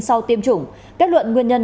sau tiêm chủng kết luận nguyên nhân